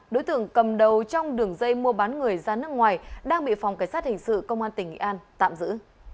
đối tượng cầm đầu trong đường dây mua bán người ra nước ngoài đang bị phòng cảnh sát hình sự công an tỉnh nghệ an tạm giữ